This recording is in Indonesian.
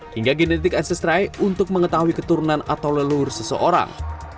hingga genetik ancestrai untuk mengetahui keturunan atau lelur seseorang